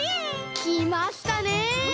きましたね！